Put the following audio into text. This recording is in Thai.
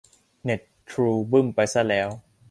เน็ตทรูบึ้มไปซะแล้ว